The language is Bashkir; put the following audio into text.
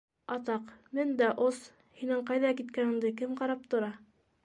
Атаҡ, мен дә ос! һинең ҡайҙа киткәнеңде кем ҡарап тора!